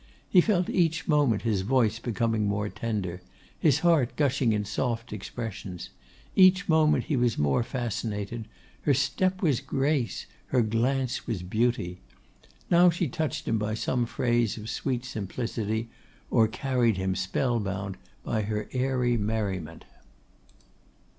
He felt each moment his voice becoming more tender; his heart gushing in soft expressions; each moment he was more fascinated; her step was grace, her glance was beauty. Now she touched him by some phrase of sweet simplicity; or carried him spell bound by her airy merriment.